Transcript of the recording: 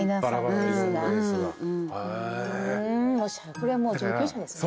これはもう上級者ですね。